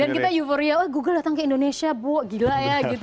dan kita euforia google datang ke indonesia boh gila ya